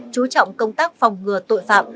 chú trọng công tác phòng ngừa tội phạm